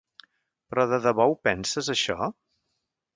Però de debò ho penses això?